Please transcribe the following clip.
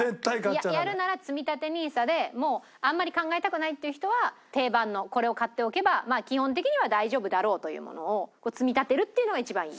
やるならつみたてＮＩＳＡでもうあんまり考えたくないっていう人は定番のこれを買っておけば基本的には大丈夫だろうというものを積み立てるっていうのが一番いい。